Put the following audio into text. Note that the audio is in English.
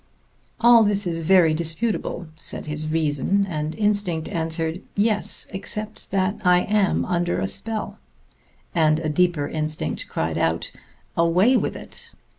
"All this is very disputable," said his reason; and instinct answered, "Yes except that I am under a spell"; and a deeper instinct cried out, "Away with it!"